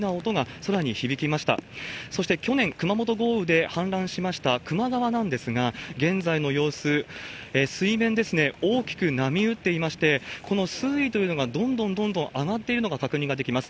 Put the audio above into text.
そして去年、熊本豪雨で氾濫しました球磨川なんですが、現在の様子、水面、大きく波打っていまして、この水位というのがどんどんどんどん上がっているのが確認ができます。